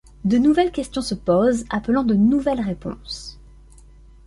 De nouvelles questions se posent, appelant de nouvelles réponses.